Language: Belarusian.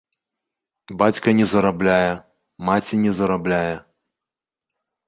Бацька не зарабляе, маці не зарабляе.